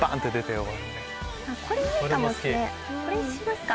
これにしますか。